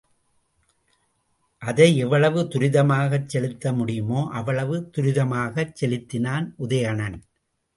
அதை எவ்வளவு துரிதமாகச் செலுத்த முடியுமோ அவ்வளவு துரிதமாகச் செலுத்தினான் உதயணன்.